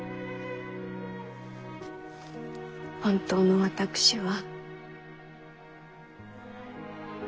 本当の私は。